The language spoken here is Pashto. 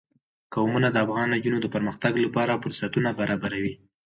قومونه د افغان نجونو د پرمختګ لپاره فرصتونه برابروي.